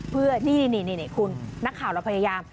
เพื่อนี่คุณนักข่าวเราพยายาม